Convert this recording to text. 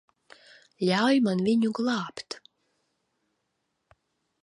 Ļauj man viņu glābt.